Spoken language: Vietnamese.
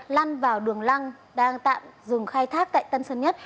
lăn vào đường lăng đang tạm dừng khai thác tại tân sơn nhất